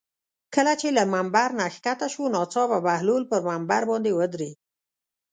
کله چې له ممبر نه ښکته شو ناڅاپه بهلول پر ممبر باندې ودرېد.